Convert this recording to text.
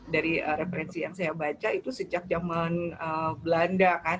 dari referensi yang saya baca itu sejak zaman belanda kan